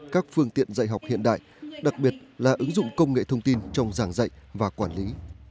các phương tiện dạy học hiện đại đặc biệt là ứng dụng công nghệ thông tin trong giảng dạy và quản lý